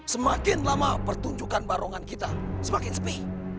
semakin lama pertunjukan barongan kita semakin sepi